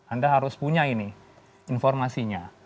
anda harus punya ini informasinya